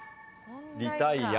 リタイア。